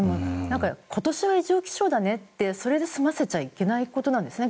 今年が異常気象だねってそれで済ませちゃいけないことなんですね。